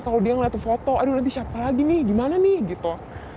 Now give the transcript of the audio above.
kalau dia ngeliat foto aduh nanti siapa lagi nih gimana nih gitu